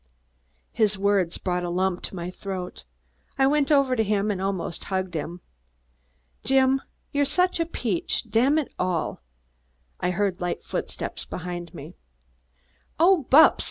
His words brought a lump to my throat. I went over to him and almost hugged him. "Jim, you're such a peach dammit all " I heard a light step behind me. "Oh, Bupps!"